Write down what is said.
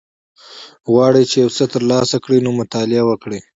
غواړی چی یوڅه تر لاسه کړی نو مطالعه وکړه